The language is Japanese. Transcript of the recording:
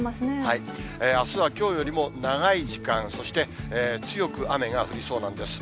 あすはきょうよりも長い時間、そして、強く雨が降りそうなんです。